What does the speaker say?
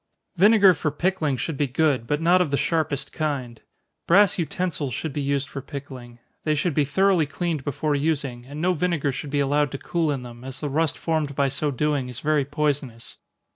_ Vinegar for pickling should be good, but not of the sharpest kind. Brass utensils should be used for pickling. They should be thoroughly cleaned before using, and no vinegar should be allowed to cool in them, as the rust formed by so doing is very poisonous.